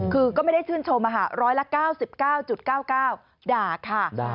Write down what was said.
คือก็ไม่ได้ชื่นชมร้อยละ๙๙๙๙๙ด่าค่ะ